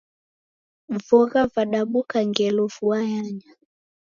Vogha vadabuka ngelo vua yanya.